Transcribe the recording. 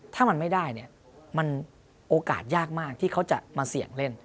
ถ้ามันไม่ได้เนี่ยมันโอกาสยากมากที่เขาจะมาเสี่ยงเล่น